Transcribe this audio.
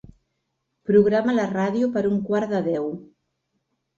Programa la ràdio per a un quart de deu.